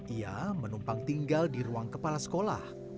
ia menumpang tinggal di ruang kepala sekolah